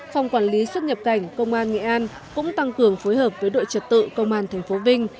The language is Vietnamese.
phòng quản lý xuất nhập cảnh công an nghệ an cũng tăng cường phối hợp với đội trật tự công an tp vinh